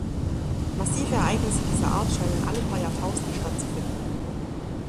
Massive Ereignisse dieser Art scheinen alle paar Jahrtausende stattzufinden.